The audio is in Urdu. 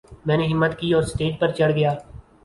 میں نے ہمت کی اور سٹیج پر چڑھ گیا